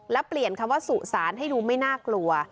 และเปลี่ยนคำว่าสุสานให้ดูไม่น่ากลัว